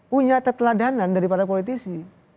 punya keteladanan dari para politisi